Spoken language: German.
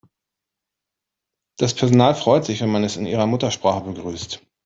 Das Personal freut sich, wenn man es in ihrer Muttersprache begrüßt.